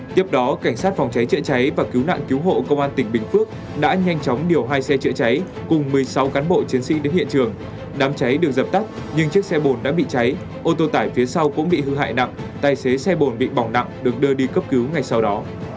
tiếp đó cảnh sát phòng cháy chữa cháy và cứu nạn cứu hộ công an tỉnh bình phước đã nhanh chóng điều hai xe chữa cháy cùng một mươi sáu cán bộ chiến sĩ đến hiện trường đám cháy được dập tắt nhưng chiếc xe bồn đã bị cháy ô tô tải phía sau cũng bị hư hại nặng tài xế xe bồn bị bỏng nặng được đưa đi cấp cứu ngay sau đó